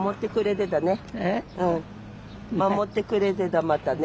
守ってくれてたまだね。